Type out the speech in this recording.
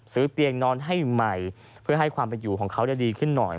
ซื้อเตียงนอนให้ใหม่เพื่อให้ความเป็นอยู่ของเขาดีขึ้นหน่อย